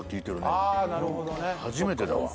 初めてだわ。